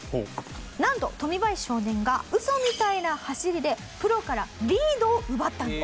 なんとトミバヤシ少年がウソみたいな走りでプロからリードを奪ったんです。